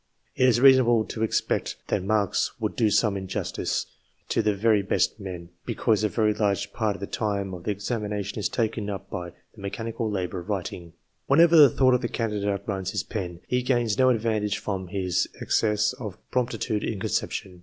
It is reasonable to expect t marks would do some injustice to the very best men, use a very large part of the time of the examination is taken up by the mechanical labour of writing. When ever the thought of the candidate outruns his pen, he gains no advantage from his excess of promptitude in conception.